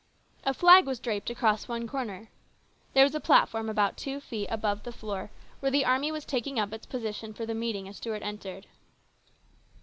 A flag was draped across one corner. There was a platform about two feet above the floor where the army was taking up its position for the meeting as Stuart entered.